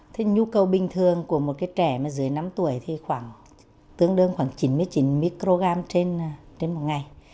thế nhu cầu bình thường của một trẻ dưới năm tuổi thì tương đương khoảng chín mươi chín microgram trên một ngày